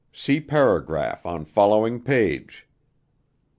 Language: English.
See paragraph on following page."